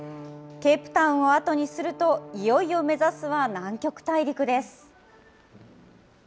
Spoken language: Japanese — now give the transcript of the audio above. ケープタウンを後にすると、いよいよ目指すは南極大陸です。